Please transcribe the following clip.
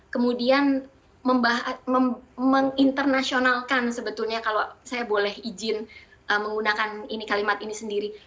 kemudian menginternasionalkan sebetulnya kalau saya boleh izin menggunakan kalimat ini sendiri